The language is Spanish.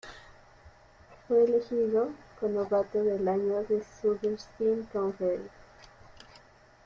Fue elegido co-novato del año de la Southeastern Conference.